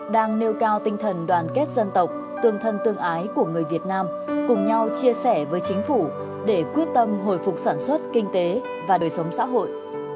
đang nêu cao tinh thần đoàn kết dân tộc tương thân tương ái của người việt nam cùng nhau chia sẻ với chính phủ để quyết tâm hồi phục sản xuất kinh tế và đời sống xã hội